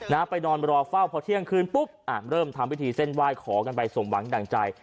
ไปนอนรอเฝ้าพอเที่ยงคืนปุ๊บอ่ะเริ่มทำพิธีเส้นไหว้ขอกันไปสมหวังดั่งใจ